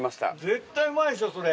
絶対うまいでしょそれ。